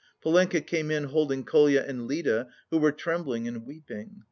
Polenka came in holding Kolya and Lida, who were trembling and weeping.